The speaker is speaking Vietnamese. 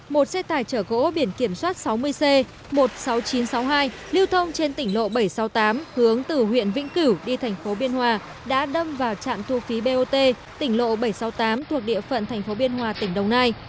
một xe tải chở gỗ biển kiểm soát sáu mươi c một mươi sáu nghìn chín trăm sáu mươi hai lưu thông trên tỉnh lộ bảy trăm sáu mươi tám hướng từ huyện vĩnh cửu đi thành phố biên hòa đã đâm vào trạm thu phí bot tỉnh lộ bảy trăm sáu mươi tám thuộc địa phận tp biên hòa tỉnh đồng nai